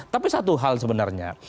tapi satu hal sebenarnya